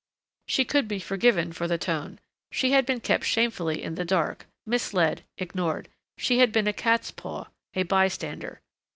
She could be forgiven for the tone. She had been kept shamefully in the dark, misled, ignored.... She had been a catspaw, a bystander.